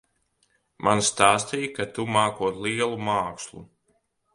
Man stāstīja, ka tu mākot lielu mākslu.